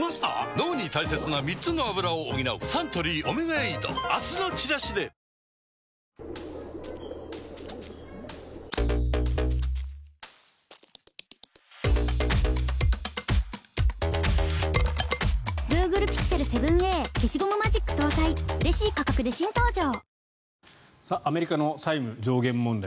脳に大切な３つのアブラを補うサントリー「オメガエイド」明日のチラシでアメリカの債務上限問題。